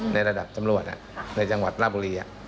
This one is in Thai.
ในระดับตำรวจในจังหวัดลาบุรี